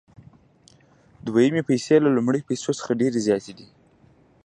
دویمې پیسې له لومړیو پیسو څخه ډېرې زیاتې دي